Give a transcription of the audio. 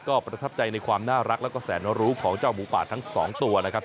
ก็ประทับใจในความน่ารักแล้วก็แสนรู้ของเจ้าหมูป่าทั้งสองตัวนะครับ